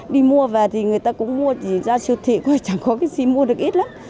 đi mua về thì người ta cũng mua thì ra siêu thị chẳng có cái gì mua được ít lắm